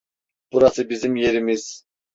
Burası bizim yerimiz.